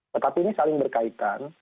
tetapi ini saling berkaitan